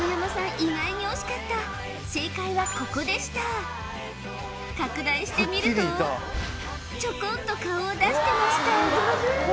意外に惜しかった正解はここでした拡大して見るとちょこんと顔を出してました